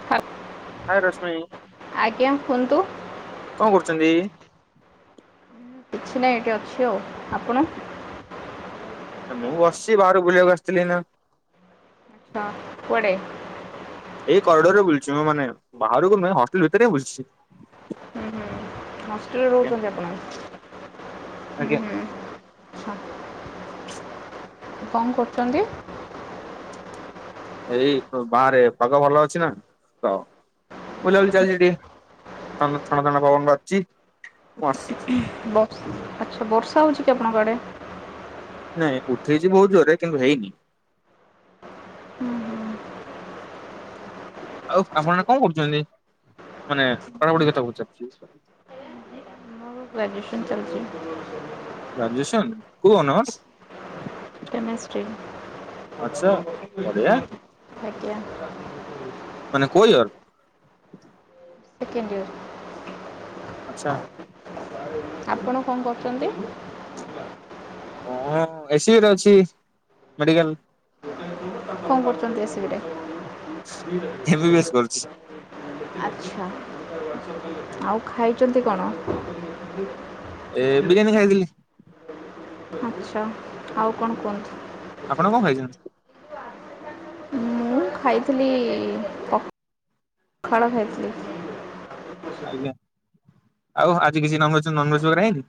[unintelligible] ହାଏ ରଶ୍ମି ଆଜ୍ଞା କୁହନ୍ତୁ କଣ କରୁଚନ୍ତି? କିଛି ନାଇଁ ଏଠି ଅଛି ଆଉ ଆପଣ? ଏ ମୁଁବସିଚି ବାହାରକୁ ବୁଲିବାକୁ ଆସିଥିଲି ଏଇନା। ହଁ କୁଆଡ଼େ? ଏଇ କରଡରରେ ବୁଲୁଚିମ ମାନେ ବାହାରକୁ ନୁହେଁ ହଷ୍ଟେଲ୍ ଭିତରେ ବୁଲୁଛି। ହୁଁ ହୁଁ ହଷ୍ଟେଲରେ ଆଜ୍ଞା ରହୁଛନ୍ତି ଆପଣ ହୁଁ ଆଜ୍ଞା ହୁଁ। ଛା [inaudible] କଣ କରୁଚନ୍ତି? ଏଇ ବାହାରେ ପାଗ ଭଲ ଅଛିନା ତ ବୁଲାବୁଲି ଚାଲିଚି ଟିକେ ତ ଥଣ୍ଡା ଥଣ୍ଡା ପବନ ବାଜୁଚି। ବ ଆଚ୍ଛା ବର୍ଷା ହେଉଚିକି ଆପଣଙ୍କ ଆଡ଼େ? ନାଇଁ ଉଠେଇଚି ବହୁତ୍ ଜୋରେ କିନ୍ତୁ ହେଇନି। ଆଉ ଆପଣ କଣ କରୁଚନ୍ତି ମାନେ ପଢ଼ା ପଢି କଥା ପଚାରୁଚି? ମୋର ଗ୍ରେଜୁଏଶନ୍ ଚାଲିଚି। ଗ୍ରାଜୁଏସନ୍ କଉ ହୋନୋର୍ସ? କେମେଷ୍ଟ୍ରୀ। ଆଚ୍ଛା ବଢ଼ିଆ। ଆଜ୍ଞା। ମାନେ କୋଉ ୟର? Second year. ଆଚ୍ଛା। [inaudible] ଆପଣ କଣ କରୁଚନ୍ତି? ମୁଁ ଏସିବିରେ ଅଛି ମେଡିକାଲ। କଣ କରୁଛନ୍ତି ଏସିବିରେ? ଏମ ବି ବି ଏଶ କରୁଛି। ଆଛା, ଆଉ ଖାଇଛନ୍ତି କଣ? ଏ ବିରିୟାନୀ ଖାଇଥିଲି। ଆଚ୍ଛା, ଆଉ କଣ କୁହନ୍ତୁ। ଆପଣ କଣ ଖାଇଚନ୍ତି? ମୁଁ ଖାଇଥିଲି ପଖାଳ ଖାଇଥିଲି। ଆଜ୍ଞା, ଆଉ ଆଜି କିଛି ନଭେଜ ନନଭେଜ୍ ବଗେରା ହେଇନି?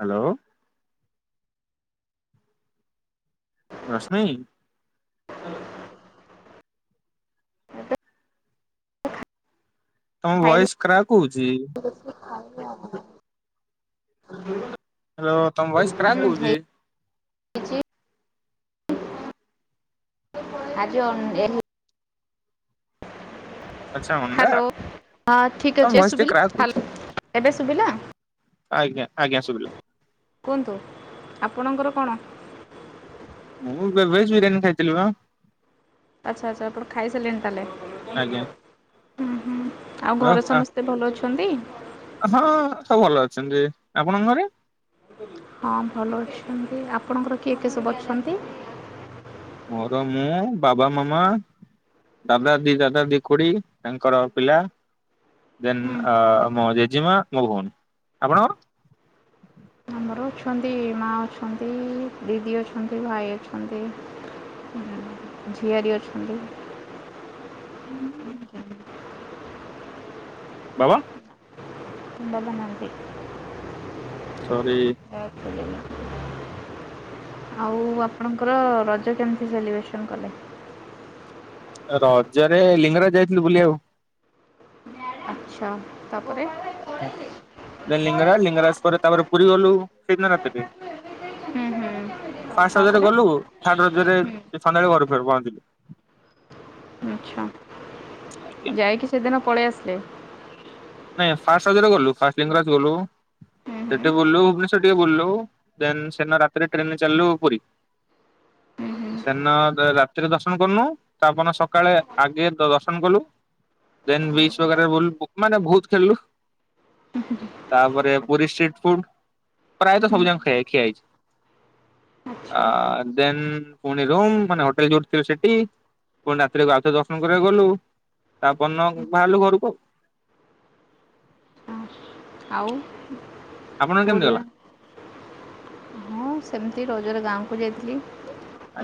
ହ୍ୟାଲୋ। ରଶ୍ମି। ଏବେ ତମ ଖାଇନି ଭଏସ କ୍ରାକ୍ ହଉଛି। [unintelligible] [unintelligible] ହ୍ୟାଲୋ, ତମ ଭଏସ ହୁଁ କ୍ରାକ ହଉଛି। ହେଇଛି ଆଜି ଅନ୍ ଏ ଆଚ୍ଛା ଅଣ୍ଡା ହ୍ୟାଲୋ, ହଁ ଠିକ ତମ ଅଛି ଆ ଭଏସ ଟିକେ କ୍ରାକ୍ ହଉଛି। ଶୁବିଲା, ଏବେ ଶୁଭିଲା? ଆଜ୍ଞା ଆଜ୍ଞା, ଶୁଭିଲା। କୁହନ୍ତୁ ଆପଣଙ୍କର କଣ? ମୁଁ ବେ ଭେଜ ବିରିୟାନୀ ଖାଇଥିଲି ପା। ଆଛା ଆଚ୍ଛା, ଆପଣ ଖାଇସାରିଲେଣି ତାହେଲେ ଆଜ୍ଞା ହୁଁ ହୁଁ ଆଉ ଘରେ ସମସ୍ ତେ ଭଲ ଅଛନ୍ତି? ହଁ ସବୁ ଭଲ ଅଛନ୍ତି, ଆପଣଙ୍କ ଘରେ? ହଁ ଭଲ ଅଛନ୍ତି, ଆପଣଙ୍କର କିଏ କିଏ ସବୁ ଅଛନ୍ତି? ମୋର ମୁଁ ବାବା ମାମା। ତାପରେ ଦି ଦାଦା ଦି ଖୁଡି ତାଙ୍କର ପିଲା। ଦେନ୍ ହୁଁ ଅ ମୋ ଜେଜେମା ମୋ ଭଉଣୀ, ଆପଣଙ୍କ? ମୋର ଅଛନ୍ତି ମା ଅଛନ୍ତି, ଦିଦି ଅଛନ୍ତି, ଭାଇ ଅଛନ୍ତି। ଝିଆରି ଅଛନ୍ତି। ବାବା? ବାବା ନାହାଁନ୍ତି। ସରି। ଡେଥ କରିଯାଇଛନ୍ତି। ଆଉ ଆପଣଙ୍କର ରଜ କେମିତି ସେଲିବ୍ରେସନ୍ କଲେ? ରଜରେ ଲିଙ୍ଗରାଜ ଯାଇଥିଲୁ ବୁଲି ଆଉ। ଆଚ୍ଛା, ତାପରେ ଲିଙ୍ଗରାଜ ଲିଙ୍ଗରାଜ ପରେ ତାପରେ ପୁରୀ ଗଲୁ ସେଇଦିନ ରାତି ରେ। ହୁଁ ହୁଁ ଫାଷ୍ଟ ରଜରେ ତାପରେ ଗଲୁ ଥାର୍ଡ ରଜରେ ହୁଁ। ସନ୍ଧ୍ୟାବେଳେ ଘରେ ଫେର ପହଞ୍ଚିଲି। ଆଚ୍ଛା, ଆଜ୍ଞା ଯାଇକି ସେଦିନ ପଳେଇ ଆସିଲେ। ନାଇଁ ଫାଷ୍ଟ ରଜରେ ଗଲୁ, ଫାଷ୍ଟ ଲିଙ୍ଗରାଜ ଗଲୁ। ହୁଁ ହୁଁ ସେଟି ବୁଲୁ ଭୁବନେଶ୍ୱର ଟିକେ ବୁଲୁ ଦେନ ସେନ ରାତିରେ ଟ୍ରେନ ଚାଲିଲୁ ପୁରୀ। ଉଁ ହୁଁ। ସେନ ରାତିରେ ଦର୍ଶନ କନୁ ତାପନ ସକାଳେ ଆଗେ ଦର୍ଶନ କଲୁ। ଦେନ ବିଚ୍ ବଗେରାରେ ବୁଲ ମାନେ ବହୁତ ଖେଳିଲୁ। ତାପରେ ଆଚ୍ଛା। ପୁରୀ ଷ୍ଟ୍ରିଟ୍ ଫୁଡ୍ ପ୍ରାୟତଃ ହୁଁ ସବୁ ଯାଙ୍କ ଖିଆ ଖିଆ ହେଇଛି। ଆ ଆଚ୍ଛା ଦେନ ପୁଣି ରୁମ୍ ମାନେ ହୋଟେଲ ଯୋଉଠି ଥିଲୁ ସେଠି ପୁଣି ରାତିରେ ଆଉଥରେ ଦର୍ଶନ କରିବାକୁ ଗଲୁ ତା ପରଦିନ ବାହାରିଲୁ ଘରକୁ ଆଉ। ହଁ ଆଉ? ଆପଣଙ୍କର କେମିତି ଓଡ଼ିଆ ଗଲା? ହଁ ସେମିତି ରଜରେ ଗାଁ କୁ ଯାଇଥିଲି।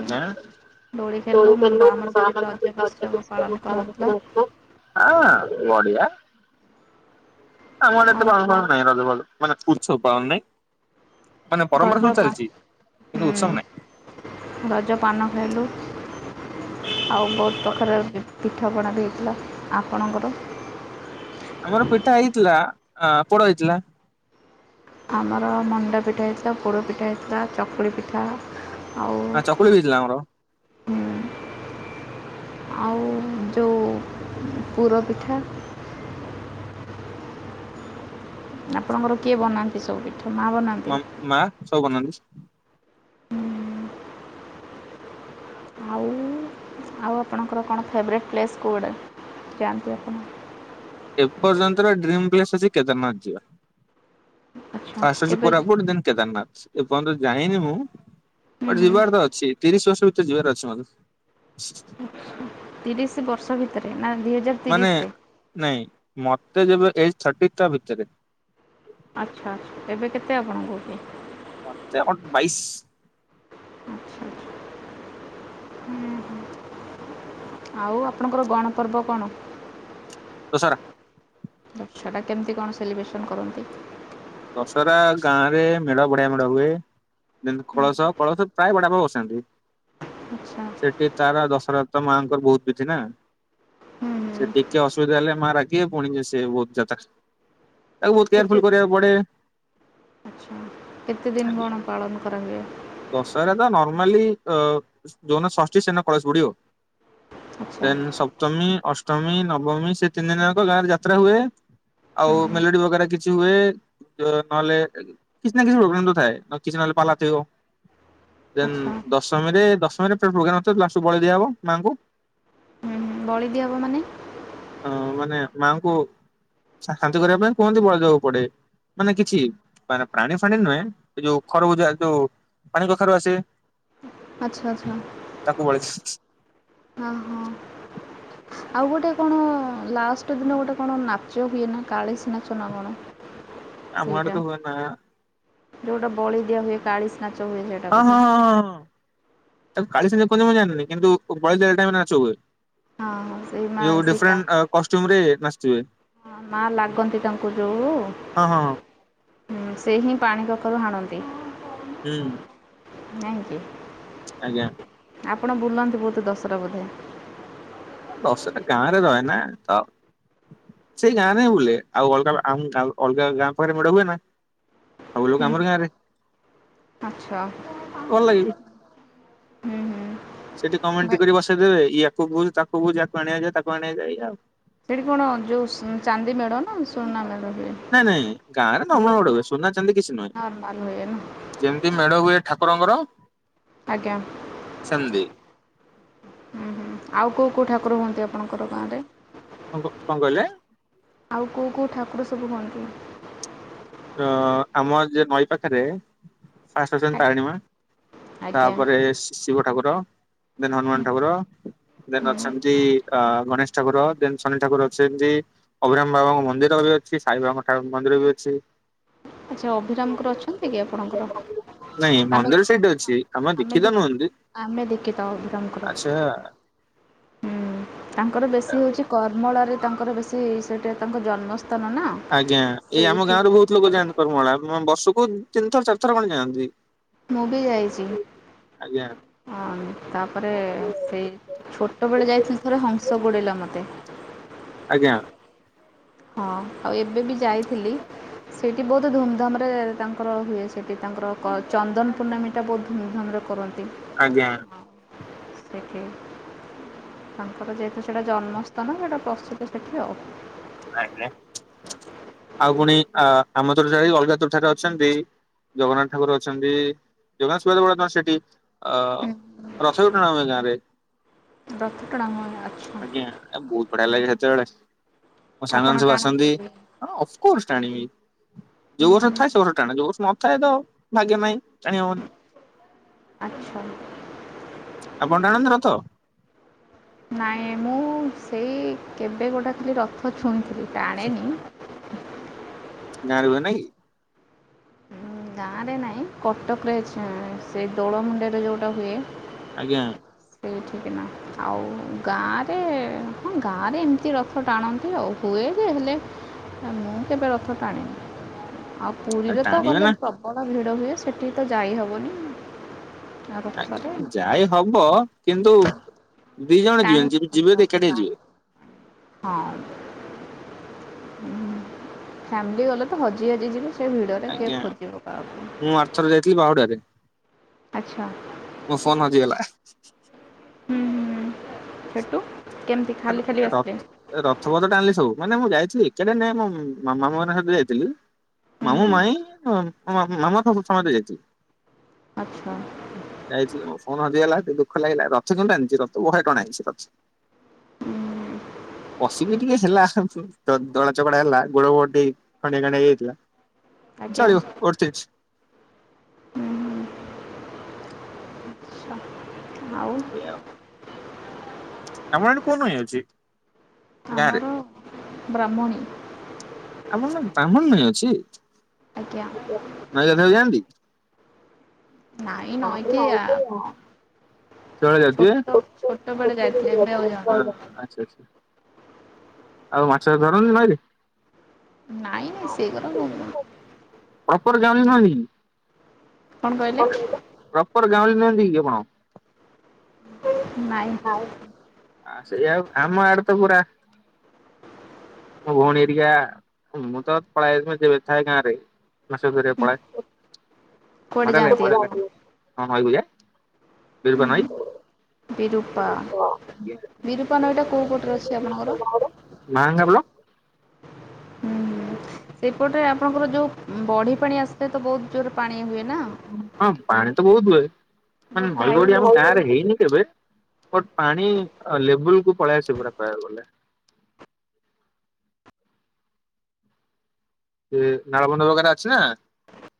ଉଁ, ଦୋଳି [unintelligible] ଖେଳିଲୁ ଉଁ, ର- ଆମର ହଁ ସେଠି ରଜ ବଢ଼ିଆ ଉତ୍ସବ ପାଳନ [unintelligible] କରାହଉଥିଲା ନାଇଁ ରଜ ମଉଜ ମାନେ ଉତ୍ସବ ଆଉ ପାଳନ ନାଇଁ ମାନେ ପରମ୍ପରା ସବୁ ରଜ ପା ଚାଲିଛି। କିନ୍ତୁ ହୁଁ ଉତ୍ସବ ନାହିଁ। ରଜ ପାନ ଖାଇଲୁ ଆଉ ବହୁତ ପ୍ରକାରର ପି ପିଠାପଣା ବି ହେଇଥିଲା ଆପଣଙ୍କର? ଆମର ପିଠା ହେଇଥିଲା ଆ ପୋଡ ହେଇଥିଲା। ଆମର ମଣ୍ଡା ପିଠା ହେଇଥିଲା ପୋଡ଼ ପିଠା ହେଇଥିଲା ଚକୁଳି ପିଠା ଆଉ ଆ ଚକୁଳି ବି ହେଇଥିଲା ଆମର। ହୁଁ, ଆଉ ଯୋଉ ପୁର ପିଠା ଆପଣଙ୍କର କିଏ ବନାନ୍ତି ସବୁ ପିଠା? ମା ବନାନ୍ତି? ମା ମାଆ ସବୁ ବନାନ୍ତି। ହୁଁ। ଆଉ ଆଉ ଆପଣଙ୍କର କଣ ଫେବ୍ରେଟ୍ ପ୍ଲେସ୍ କୋଉ ଆଡ଼େ ଯାଆନ୍ତି ଆପଣ? ଏପର୍ଯ୍ୟନ୍ତ ର ଡ୍ରିମ୍ ପ୍ଲେସ୍ ଅଛି କେଦାର ନାଥ ଯିବା। ଆଚ୍ଛା ଫାଷ୍ଟ୍ ଅଛି କେବେ କୋରାପୁଟ ଦେନ୍ କେଦାର ନାଥ ଏପର୍ଯ୍ୟନ୍ତ ଯାଇନି ମୁଁ ହୁଁ ବଟ୍ ହୁଁ ଯିବାର ତ ଅଛି ତିରିଶି ବର୍ଷ ଭିତରେ ଯିବାର ଅଛି ମତେ। ହୁଁ। ତିରିଶି ବର୍ଷ ଭିତରେ ନାଁ ଦି ହଜାର ମାନେ ତିରିଶରେ ନାଇଁ ମତେ ଯେବେ ଏଜ୍ ଥାଟି ତା ଭିତରେ। ଆଚ୍ଛା ଆଚ୍ଛା ଏବେ କେତେ ଆପଣଙ୍କୁ? ମତେ ଅଟ ବାଇଶି। ଆଚ୍ଛା ଆଚ୍ଛା ହୁଁ ହୁଁ। ଆଉ ଆପଣଙ୍କର ଗଣପର୍ବ କଣ? ଦଶହରା। ଦଶହରା କେମିତି କଣ ସେଲିବ୍ରେସନ୍ କରନ୍ତି? ଦଶହରା ଗାଁ ରେ ମେଢ଼ ବଢିଆ ମେଢ଼ ହୁଏ। ଯେନ୍ତି କଳସ କଳସ ପ୍ରାୟ ବଡା ଆପା ବସାନ୍ତି। ଆଚ୍ଛା ସେଠି ତାର ଦଶହରାରେ ତ ମାଙ୍କର ବହୁତ ବିଧି ନା। ହୁଁ ସେ ହୁଁ। ଟିକେ ଅସୁବିଧା ହେଲେ ମା ରାଗିବେ ପୁଣି ସିଏ ବହୁତ ଯାତ୍ରା ତାକୁ ବହୁତ କେତେ କେୟାରଫୁଲ କରିବାକୁ ପଡେ। ଆଚ୍ଛା କେତେ ଦିନ କଣ ପାଳନ କରାହୁଏ? ଦଶହରାରେ ତ ନର୍ମାଲି ଅ ଯୋଉଦିନ ଷଷ୍ଠୀ ସେଦିନ କଳସ ବୁଡିବ। ଆଚ୍ଛା ଦେନ ସପ୍ତମୀ ଅଷ୍ଟମୀ ନବମୀ ସେ ତିନି ଦିନ ଯାକ ଗାଁ ରେ ଯାତ୍ରା ହୁଏ। ଆଉ ମେଲୋଡି ବଗେରା କିଛି ହୁଏ। ଯୋଉ ନହେଲେ କିଛି ନାଁ କିଛି ପ୍ରୋବ୍ଲେମ୍ ତ ଥାଏ ନ କିଛି ନହେଲେ ପାଲାଟି ହବ। ଦେନ ଆଚ୍ଛା ଦଶମୀରେ ଦଶମୀରେ ପ୍ରୋଗ୍ରାମ୍ ନଥାଏ ଲାଷ୍ଟ୍ କୁ ବଳି ଦିଆହବ ମାଙ୍କୁ। ହୁଁ ହୁଁ। ବଳି ଦିଆହେବ ମାନେ। ହିଁ ମାନେ ମାଙ୍କୁ ଶାନ୍ତି କରିବା ପାଇଁ କୁହନ୍ତି ବଳି ଦେବାକୁ ପଡେ। ମାନେ କିଛି ମାନେ ପ୍ରାଣି ଫାଣି ନୁହେଁ ଯୋଉ ଖରଭୁଜ ଯୋଉ ପାଣି କଖାରୁ ଆସେ। ଆଚ୍ଛା ଆଚ୍ଛା ତାକୁ ବଳି ସ୍ ଦିଅନ୍ତି। ହଁ ହଁ। ଆଉ ଗୋଟେ କଣ ଲାଷ୍ଟ ଦିନ ଗୋଟେ କଣ ନାଚ ହୁଏ ନା କାଳିଶ ନାଚ ନା କଣ ଆମ ଆଡେ ସେଇଟା ତ ହୁଏ ନା ଯୋଉଟା ବଳି ଦିଆ ହୁଏ କାଳିସ ନାଚ ହୁଏ ସେଇଟା। ହଁ ହଁ ବୋଧେ। ହଁ ହଁ ହଁ ତାକୁ କାଳିସି ଯୋଉ କହନ୍ତି ମୁଁ ଜାଣିନି କିନ୍ତୁ ବଳ ଦେ ଟାଇମରେ ନାଚ ହୁଏ। ହଁ ହଁ ସେଇ ମା ଇଏ ଗୋଟେ ସେଇ ଡିଫରେଣ୍ଟ ଅ କଷ୍ଟ୍ୟୁମ ରେ ନାଚିଥିବେ। ହ ମା ଲାଗନ୍ତି ତାଙ୍କୁ ଯୋଉ ହଁ ହଁ ହଁ ସେ ହିଁ ପାଣି କଖାରୁ ହାଣନ୍ତି। ହୁଁ। ନାଇଁ କି। ଆଜ୍ଞା। ଆପଣ ବୁଲନ୍ତି ବହୁତ ଦଶହରା ବୋଧେ। ଦଶଟା ଗାଁ ରେ ରହେ ନା ତ ସେଇ ଗାଁ ରେ ବୁଲେ ଆଉ ଅଲଗା ଆଉଁ ଅଲଗା ଗାଁ ପାଖରେ ମେଡା ହୁଏ ନା। ସବୁ ଲୋକ ହୁଁ ହୁଁ, ଆମର ଗାଁ ରେ। ଆଚ୍ଛା। ଉଲ୍ ଲଗିବି। ହୁଁ ହୁଁ। ସେଠି କେମେଣ୍ଟରି ବା- କରି ବସେଇଦେବେ ୟାକୁ ବୁଝ ତାକୁୁ ବୁଝ ଆକୁ ଆଣିଆ ଯା ତାକୁ ଆଣିୟା ଯା ଏଇୟା। ସେଠି କଣ ଯୋଉ ଚାନ୍ଦି ମେଢ ନା ସୁନା ମେଢ ହୁଏ। ନାଇଁ ନାଇଁ ଗାଁରେ ନର୍ମାଲ ଗୋଲ୍ଡ ମେଢ଼ ହୁଏ ସୁନା ଚାନ୍ଦି କିଛି ନୁହେଁ। ନର୍ମାଲ ହୁଏ ନା ଯେମିତି ମେଢ ହୁଏ ଠାକୁରଙ୍କର। ଆଜ୍ଞା। ସେମିତି ହୁଁ ହୁଁ ଆଉ କୋଉ କୋଉ ଠାକୁର ହୁଅନ୍ତି ଆପଣଙ୍କର ଗାଁ ରେ? ଙ୍କ କଣ କହିଲେ। ଆଉ କୋଉ କୋଉ ଠାକୁର ସବୁ ହୁଅନ୍ତି? ଅ ଆମ ଯ ନଈ ପାଖରେ ଆସୁଛନ୍ତି ଆଜ୍ଞା ତାରିଣୀମା ତାପରେ ଶିବ ଠାକୁର ଦେନ ହନୁମାନ ହୁଁ ଠାକୁର ଦେନ ହୁଁ ଅଛନ୍ତି ଅ ଗଣେଶ ଠାକୁର ଦେନ୍ ଶନି ଠାକୁର ଅଛନ୍ତି। ଅଭିିରାମ ବାବାଙ୍କ ମନ୍ଦିର ବି ଅଛି ସାଇବାଙ୍କ ଠାରୁ ମନ୍ଦିର ବି ଅଛି। ଆଚ୍ଛା ଅଭିରାମଙ୍କର ଅଛନ୍ତି କି ଆପଣଙ୍କର? ନାଇଁ ଆମେ ମନ୍ଦିର। ସେଇଟି ଅଛିଆମେ ଆମେ ଦେ ଦେଖିଦ ନୁହନ୍ତି। ଆମେ ଦେଖିଥାଉ ତାଙ୍କର ଆଚ୍ଛା ହୁଁ ତାଙ୍କର ବେଶୀ ହଉଛି କର୍ମଳାରେ ତାଙ୍କର ବେଶୀ ସେଇଠା ତାଙ୍କ ଜନ୍ମସ୍ଥାନ ନା। ଆଜ୍ଞା ଏଇ ଆମ ସେଇଠି ଗାଁ ରେ ବହୁତ ତାଙ୍କର ଲୋକ ଯାଆନ୍ତି କରମଳା ବର୍ଷକୁ ତିନି ଥର ଚାରିଥର ଖଣ୍ଡେ ଯାଆନ୍ତି। ମୁବି ଯାଇଛି। ଆଜ୍ଞା ହଁ ତାପରେ ସେଇ ଛୋଟବେଳେ ଯାଇଥିଲି ଥରେ ହଂସ ଗୋଡ଼େଇଲା ମୋତେ। ଆଜ୍ଞା। ହଁ ଆଉ ଏବେ ବି ଯାଇଥିଲି। ସେଇଠି ବହୁତ ଧୁମଧାମ ରେ ତାଙ୍କର ହୁଏ ସେଠି ତାଙ୍କର ଚନ୍ଦନ ପୂର୍ଣ୍ଣମୀ ଟା ବହୁତ ଧୁମଧାମ ରେ କରନ୍ତି। ଆଜ୍ଞା। ସେଠି ତାଙ୍କର ଯେହେତୁ ସେଟା ଜନ୍ମସ୍ଥାନ ସେଟା ପ୍ରସ୍ତୁତ ସେଠି ଆଉ। ଆଜ୍ଞା। ଆଉ ପୁଣି ଆ ଆମ ତୁଠ ଛାଡ଼ି ଅଲଗା ତୁଠ ଠାରେ ଅଛନ୍ତି ଜଗନ୍ନାଥ ଠାକୁର ଅଛନ୍ତି। ଜଗନ୍ନାଥ ସୁଭଦ ବଡ ସେଠି, ଅ ହୁଁ, ରଥ ବି ଟଣା ହୁଏ ଗାଁରେ। ରଥ ଟଣା ହୁଏ ଆଛା। ଆ ବୋହୁତ୍ ବଢିଆ ଲାଗେ ସେତେବେଳେ। ମୋ ଆପଣ ସାଙ୍ଗମାନେ ସବୁ ଆସନ୍ତି। ଟାଣନ୍ତି ଅଫ୍କୋର୍ସ ଟାଣିବି। ଯୋଉ ବର୍ଷ ଥାଏ ସେ ବର୍ଷ ଟାଣେ। ଯୋଉ ବର୍ଷ ନ ଥାଏ ତ ଭାଗ୍ୟ ରେ ନାହିଁ ଟାଣି ହବନି। ଆଚ୍ଛା। ଆପଣ ଟାଣନ୍ତି ରଥ? ନାଇଁ ମୁଁ ସେଇ କେବେ ଗୋଟେ ଖାଲି ରଥ ଛୁଇଁଥିଲି ଟାଣେନି। ଗାଁରେ ହୁଏ ନାଇଁ କି? ଉଁ, ଗାଁରେ ନାହିଁ, କଟକରେ ସେ ଦୋଳ ମୁଣ୍ଡେଇ ରେ ଯୋଉଟା ହୁଏ ଆଜ୍ଞା। ସେଇଠିକି ନା, ଆଉ ଗାଁରେ ହଁ ଗାଁରେ ଏମିତି ର ରଥ ଟାଣନ୍ତି ଆଉ, ହୁଏ ଯେ ହେଲେ ମୁଁ କେବେ ରଥ ଟାଣିନି ଆଉ। ଆ ପୁରୀରେ ତ ଟାଣିବେ ଗଲେ ନା ପ୍ରବଳ ଭିଡ ହୁଏ। ସେଠି ତ ଯାଇ ହବନି। ଆଜ୍ଞା। ଯାାଇ ହବ କିନ୍ତୁ ଦି ଜଣ ଯିବେ ଟାଣି ନି ହେବନି ଜି-ଯିବେ ରଥ ଏକାଠି ଟାଣି ଯିବେ। ହଁ। ଫ୍ୟାମିଲି ଗଲେ ତ ହଜି ହାଜି ଯିବେ। ସେ ଭିଡ଼ରେ କିଏ ଖୋଜିବ କାହାକୁ। ଥରେ ଯାଇଥିଲି ବାହୁଡାରେ। ଆଚ୍ଛା। ମୋ ଫୋନ୍ ହଜିଗଲା। ହୁଁ ହୁଁ ହ ସେଟୁ? ର ରଥପଥ ଟା ଆଣିଲି ସବୁ। ମାନେ ମୁଁ ଯାଇଥିଲି ଏକାଟେ ନାଇଁ ମୋ ମାମା ମାମ ମାନଙ୍କ ସହିତ ଯାଇଥିଲି। ହୁଁ ମାମୁଁ, ହୁଁ ମାଇଁ ମାମା ସବୁ ସମସ୍ତେ ଯାଇ ଥିଲେ। ଆଚ୍ଛା। ଯାଇଥିଲି ମୋ ଫୋନ ହଜିଗଲା ଟିକେ ଦୁଃଖ ଲାଗିଲା। ରଥ କନ୍ତୁ ଟାଣିଛି, ରଥ ବଢିଆ ଟଣା ହେଇଛି, ରଥ। ହୁଁ ପଶିକି ଟିକେ ହେଲା ଦ-ଦଳାଚକଡା ହେଲା ଗୋଡ ଫୋଡ ଟିକେ ଖଣ୍ଡିଡିଆ ଖାଁଣ୍ଡିଆ ହେଇଯାଇଥିଲା। ଆଜ୍ଞା ଚଳିବ ଓ ତିରିଶ। ହୁଁ ହୁଁ ଆଚ୍ଛା ଏ ଆଉ। ଆମ ଆଡ଼େ କୋଉ ନଇ ଅଛି ଗାଁରେ? ଆମର ବ୍ରାହ୍ମଣୀ। ଆମର ସେଠି ବ୍ରାହ୍ମଣି ନଇ ଅଛି? ଆଜ୍ଞା ନଈ କୁ ଗାଧେଇ ଯାଆନ୍ତି? ନାଇଁ ନା ମୁଁ ନଈକି ଆ ନଇକି ଯାଏ ନି। ଚଳ ଯାଉ ଛୋଟ ଛୋଟବେଳେ ଯାଇଥିଲେ ଥିବେ? ଏବେ ଆଉ ଯାଉନି [inaudible] ଆଛା ଆଛା। ଆଉ ମାଛ ଧରନ୍ତିି ନଇରେ? ନାଇଁ ନାଇଁ ସେଗୁରା ଅପରେ ଯାଉନି ନଇ। କଣ କହିଲେ ପ୍ରପର ଗାଁଉଲି ନୁହାନ୍ତି କି ଆପଣ? ନାଇଁ। ଆ ସେଇଆ, ଆମ ଆଡେ ତ ପୁରା ମୋ ଭଉଣୀ ହାରିକା, ମୁଁ ତ ପଳାଏ ମ ଯେବେଥାଏ ଗାଁରେ। ମାଛ ଧରିବାକୁ ହୁଁ ପଳାଏ। କୁଆଡ଼େ ମଜା ଲାଗେ, ଯାଆନ୍ତି ମଜା ଆପଣ? ଲାଗେ ହଁ ନଇ କୁ ଯାଏ। ବିରୁପା ନଇ ବିରୁପା ବିରୁପା ନଈଟା କୋଉ ପଟରେ ଅଛି ଆପଣଙ୍କର? ମାହାଙ୍ଗା ବ୍ଲ ହୁଁ ହୁଁ ସେପଟେ ଆପଣଙ୍କର ଯୋଉ ବଢି ପାଣି ଆସିଥାଏ ତ ବୋହୁତ ଜୋରରେ ପାଣି ହୁଏ। ନା? ହଁ ପାଣି ତ ବୋହୁତ ହୁଏ, ମାନେ ବହୁତ ନଈ ଘାଇ ବଢି ହୁଏ ଆମ ଗାଁ ସେଠି ରେ ହେଇନି। କେବେ ପାଣି ଲେବୁଲ କୁ ପଳେଇ ଆସେ ପୁରା କହିବାକୁ ଗଲେ ସେ ନାଳବ [unintelligible] ଅଛି ନା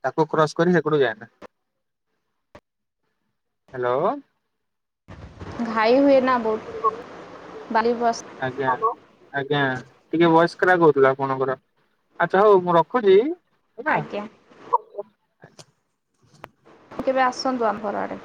ତାକୁ କ୍ରସ କରି ସେପଟୁ ଯାଏନା। ହ୍ୟାଲୋ। ଘାଇ ହୁଏ ନା ବୋହୁତ ବାଲିି ବସ ଆଜ୍ଞା ଆଜ୍ଞା ଟିକେ ଭଏସ କ୍ରାକ ହୋଉଥିଲା ଆପଣଙ୍କର। ଆଚ୍ଛା ହଉ ମୁଁ ରଖୁଛି। ହେଲା ଆଜ୍ଞା। କେବେ ଆସନ୍ତୁ ଆମ ଘର ଆଡେ।